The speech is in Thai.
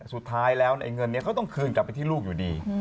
สุดท้ายแล้วเงินนี้เขาต้องคืนกลับไปที่ลูกอยู่ดี